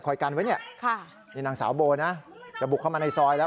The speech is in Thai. คอยกันไว้เนี่ยนางสาวโบนะจะบุกเข้ามาในซอยแล้ว